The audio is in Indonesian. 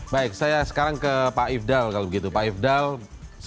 jatika menjelaskan kids